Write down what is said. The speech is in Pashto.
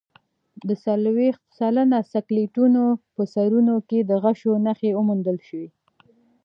د څلوېښت سلنه سکلیټونو په سرونو کې د غشو نښې وموندل شوې.